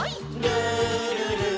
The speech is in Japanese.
「るるる」